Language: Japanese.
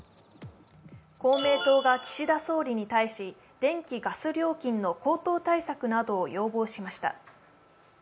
公明党が岸田総理に対し電気・ガス料金の高騰対策などを要望しました。